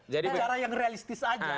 cara yang realistis saja